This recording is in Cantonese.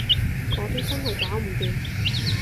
嗰啲真係搞唔掂